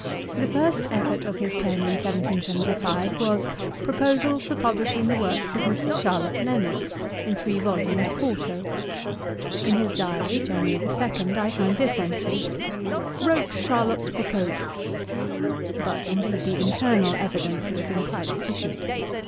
The first effort of his pen in 1775 was, 'Proposals for publishing the Works of Mrs. Charlotte Lennox,'[Dagger] in three volumes quarto. In his diary, January 2, I find this entry: 'Wrote Charlotte's Proposals.' But, indeed, the internal evidence would have been quite sufficient.